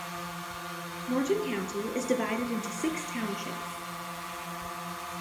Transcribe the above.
Morton County is divided into six townships.